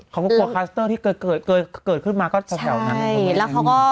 เค้าก็ข่อคัสเตอร์ที่เกิดเกิดขึ้นมาก็แสว